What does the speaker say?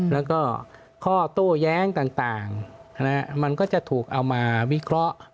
แล้วก็ข้อโต้แย้งต่างมันก็จะถูกเอามาวิเคราะห์